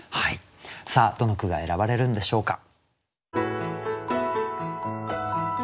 さあどの句が選ばれるんでしょうか？